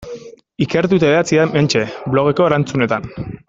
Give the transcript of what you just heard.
Ikertu eta idatzi hementxe, blogeko erantzunetan.